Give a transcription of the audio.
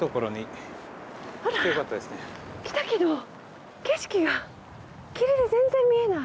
来たけど景色が霧で全然見えない。